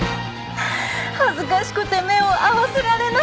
恥ずかしくて目を合わせられない！